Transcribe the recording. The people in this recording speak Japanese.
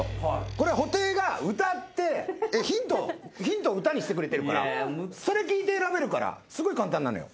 これ布袋が歌ってヒントを歌にしてくれてるからそれ聴いて選べるからすごい簡単なのよ。